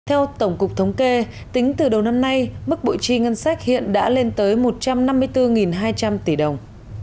theo tổng cục thống kê tính từ đầu năm nay mức bội chi ngân sách hiện đã lên tới một trăm năm mươi bốn hai trăm linh tỷ đồng